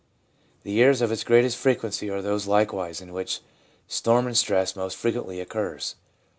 The years of its greatest frequency are those likewise in which storm and stress most frequently occurs.